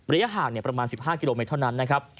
ห่างประมาณ๑๕กิโลเมตรเท่านั้นนะครับ